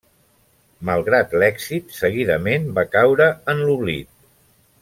Malgrat l'èxit, seguidament va caure en l'oblit.